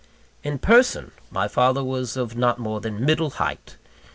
In person, my father was of not more than middle height.